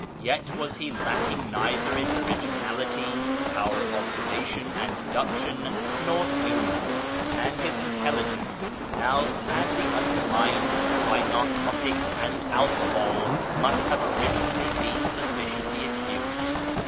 Yet was he lacking neither in originality, power of observation and deduction, nor humour ; and his intelligence, now sadly undermined by narcotics and alcohol, must have originally been sufficiently acute.